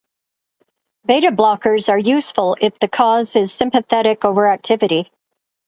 Beta blockers are useful if the cause is sympathetic overactivity.